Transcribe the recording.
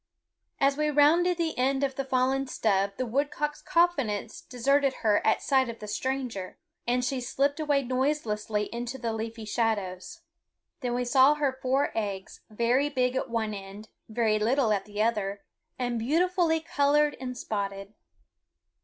As we rounded the end of the fallen stub the woodcock's confidence deserted her at sight of the stranger, and she slipped away noiselessly into the leafy shadows. Then we saw her four eggs, very big at one end, very little at the other, and beautifully colored and spotted.